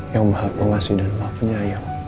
yang mahag mengasih dan maafi ya